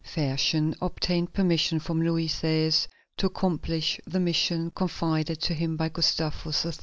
Fersen obtained permission from Louis XVI. to accomplish the mission confided to him by Gustavus III.